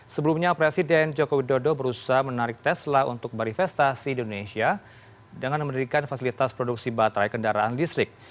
sebelumnya presiden joko widodo berusaha menarik tesla untuk berinvestasi di indonesia dengan mendirikan fasilitas produksi baterai kendaraan listrik